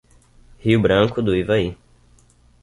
Rio Branco do Ivaí